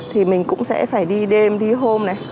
thì mình cũng sẽ phải đi đêm đi hôm này